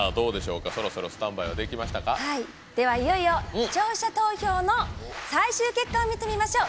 いよいよ視聴者投票の最終結果を見てみましょう。